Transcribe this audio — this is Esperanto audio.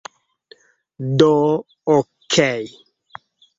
Do... okej